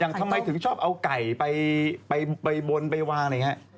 ทำไมถึงชอบเอาไก่ไปบนไปวางอะไรอย่างนี้